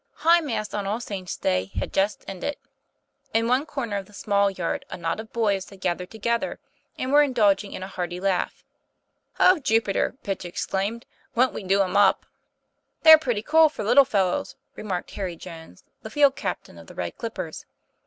11 HIGH Mass on All Saints' Day had just ended. In one corner of the small yard a knot of boys had gathered together, and were indulging in a hearty laugh. ;< O Jupiter!" Pitch exclaimed, "won't we do 'em up!" 'They're pretty cool for little fellows," remarked Harry Jones, the field captain of the Red Clippers.